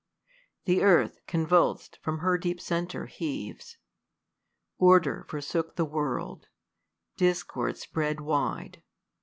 The earth, convuls'd from her deep centre, heaves. Order forsook the world : discord spread w^ide.